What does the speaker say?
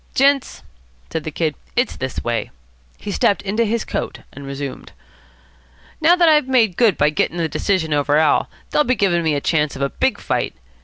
"Gents," said the Kid, "it's this way." He stepped into his coat, and resumed. "Now that I've made good by getting the decision over Al., they'll be giving me a chance of a big fight.